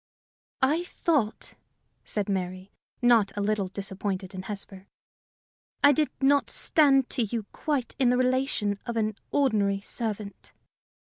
"I thought," said Mary, not a little disappointed in Hesper, "I did not stand to you quite in the relation of an ordinary servant."